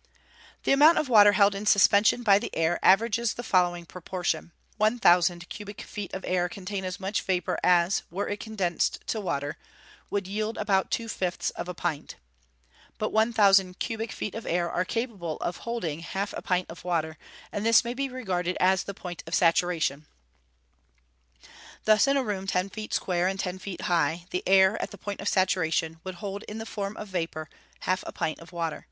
_ The amount of water held in suspension by the air averages the following proportion: one thousand cubic feet of air contain as much vapour as, were it condensed to water, would yield about two fifths of a pint. But one thousand cubic feet of air are capable of holding half a pint of water; and this may be regarded as the point of saturation. Thus, in a room ten feet square and ten feet high, the air, at the point of saturation, would hold in the form of vapour, half a pint of water.